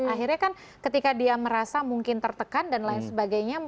akhirnya kan ketika dia merasa mungkin tertekan dan lain sebagainya